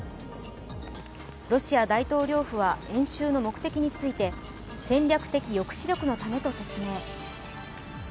ロシア大統領府は演習の目的について、戦略的抑止力のためと説明。